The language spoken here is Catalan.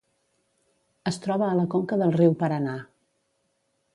Es troba a la conca del riu Paranà.